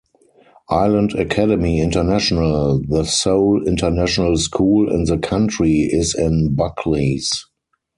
Island Academy International, the sole international school in the country, is in Buckleys.